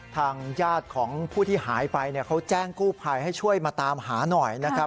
ทางญาติของผู้ที่หายไปเขาแจ้งกู้ภัยให้ช่วยมาตามหาหน่อยนะครับ